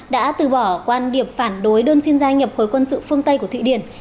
đã từ bỏ quan điểm phản đối đơn xin gia nhập khối quân sự phương tây của thụy điển